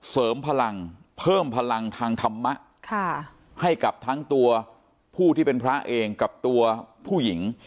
เสริมพลังเพิ่มพลังทางธรรมะให้กับทั้งตัวผู้ที่เป็นพระเองกับตัวผู้หญิง